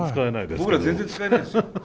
僕ら全然使えないんですよ。